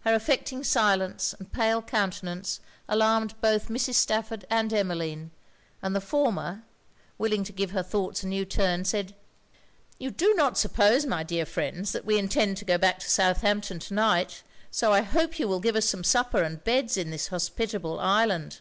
Her affecting silence and pale countenance alarmed both Mrs. Stafford and Emmeline; and the former, willing to give her thoughts a new turn, said 'You do not suppose, my dear friends, that we intend to go back to Southampton to night? so I hope you will give us some supper and beds in this hospitable island.'